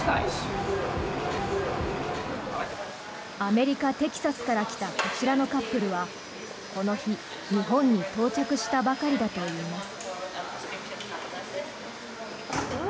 アメリカ・テキサスから来たこちらのカップルはこの日、日本に到着したばかりだといいます。